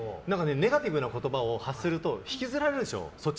ネガティブな言葉を発すると引きずられるでしょ。